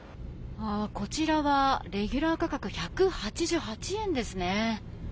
こちらはレギュラー価格が１８８円ですね。